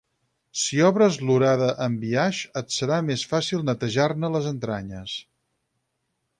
Si obres l'orada en biaix et serà més fàcil netejar-ne les entranyes.